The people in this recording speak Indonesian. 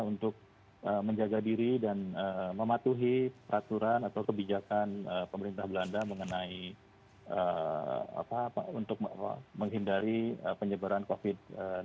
untuk menjaga diri dan mematuhi peraturan atau kebijakan pemerintah belanda untuk menghindari penyebaran covid sembilan belas